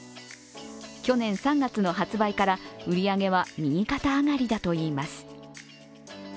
去年３月の発売から、売り上げは右肩上がりだといいます。